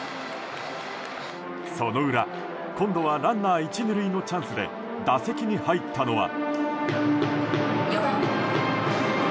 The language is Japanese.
その裏、今度はランナー１、２塁のチャンスで打席に入ったのは。